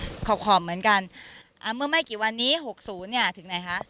ขอบขอบเหมือนกันอ่าเมื่อไม่กี่วันนี้หกศูนย์เนี่ยถึงไหนคะ